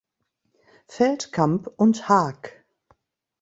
Feldkamp und Haack.